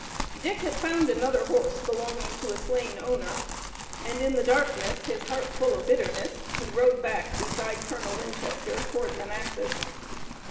Dick had found another horse belonging to a slain owner, and, in the darkness, his heart full of bitterness, he rode back beside Colonel Winchester toward Manassas.